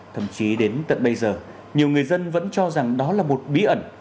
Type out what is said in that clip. thậm chí đến tận bây giờ nhiều người dân vẫn cho rằng đó là một bí ẩn